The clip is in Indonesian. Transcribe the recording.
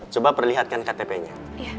coba perlihatkan ktp nya